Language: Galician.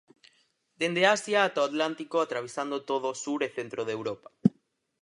Dende Asia ata o Atlántico, atravesando todo o sur e centro de Europa.